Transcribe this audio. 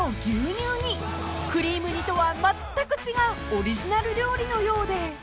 ［クリーム煮とはまったく違うオリジナル料理のようで］